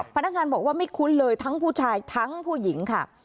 พนักงานบอกว่าไม่คุ้นเลยทั้งผู้ชายทั้งผู้หญิงค่ะ